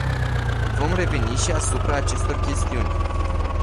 Voi reveni și asupra acestor chestiuni.